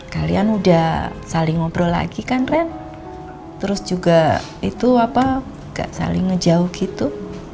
kalian udah saling ngobrol lagi kan ren terus juga itu gak saling ngejauh gitu